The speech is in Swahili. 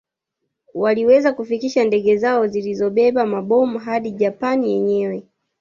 Walioweza kufikisha ndege zao zilizobeba mabomu hadi Japani yenyewe